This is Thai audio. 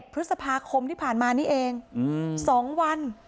พฤษภาคมที่ผ่านมานี่เอง๒วัน